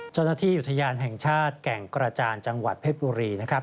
เจ้าหน้าที่อุทยานแห่งชาติแก่งกระจานจังหวัดเพชรบุรีนะครับ